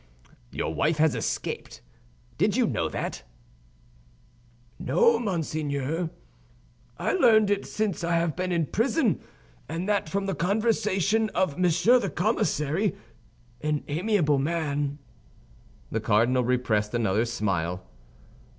"Your wife has escaped. Did you know that?" "No, monseigneur. I learned it since I have been in prison, and that from the conversation of Monsieur the Commissary—an amiable man." The cardinal repressed another smile.